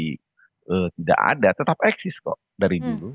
jadi tidak ada tetap eksis kok dari dulu